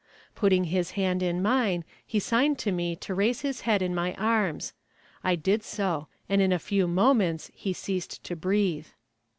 Putting his hand in mine he signed to me to raise his head in my arms. I did so, and in a few moments he ceased to breathe.